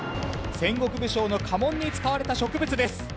戦国武将の家紋に使われた植物です。